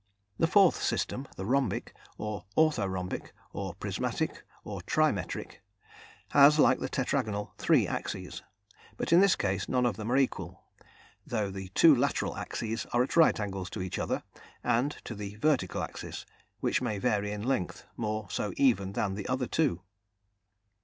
The fourth system, the rhombic or orthorhombic, or prismatic, or trimetric has, like the tetragonal, three axes; but in this case, none of them are equal, though the two lateral axes are at right angles to each other, and to the vertical axis, which may vary in length, more so even than the other two.